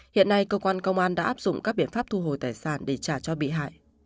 hiện nay cơ quan công an đã áp dụng các biện pháp thu hồi tài sản để trả cho bị hại